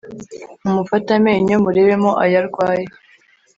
Mumufate amenyo murebemo ayo arwaye